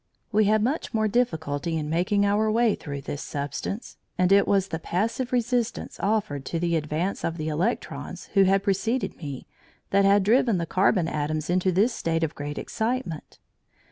We had much more difficulty in making our way through this substance, and it was the passive resistance offered to the advance of the electrons who had preceded me that had driven the carbon atoms into this state of great excitement.